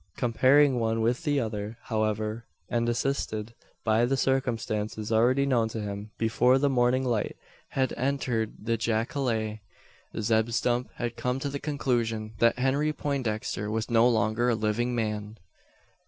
Comparing one with the other, however, and assisted by the circumstances already known to him, before the morning light had entered the jacale, Zeb Stump had come to the conclusion: that Henry Poindexter was no longer a living man!